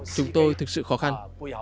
chúng tôi thực sự khó khăn